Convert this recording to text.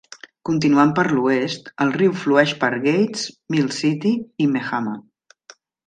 Continuant per l'oest, el riu flueix per Gates, Mill City i Mehama.